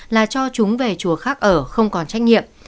là cho chúng về chùa khác ở không còn trách nhiệm